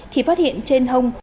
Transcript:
khi phát hiện trên hông